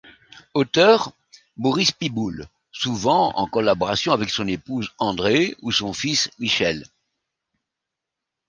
Auteur, Maurice Piboule, souvent en collaboration avec son épouse, Andrée, ou son fils, Michel.